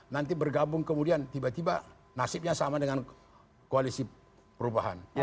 nanti bergabung kemudian tiba tiba nasibnya sama dengan koalisi perubahan